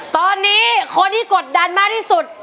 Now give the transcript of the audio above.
ตอนนี้คนที่กดดันมากที่สุด